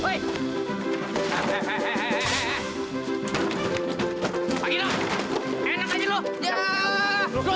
mana sih katanya gua gampang juga